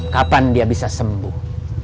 kapan dia bisa sembuh